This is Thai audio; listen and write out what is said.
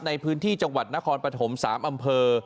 ในพื้นที่จังหวัดนครปฐม๓อำเภอ